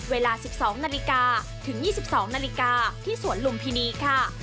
เวลาสิบสองนาฬิกาถึงยี่สิบสองนาฬิกาที่สวนลุมพินีค่ะ